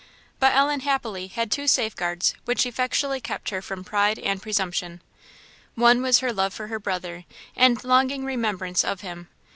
But Ellen happily had two safeguards which effectually kept her from pride and presumption. One was her love for her brother, and longing remembrance of him.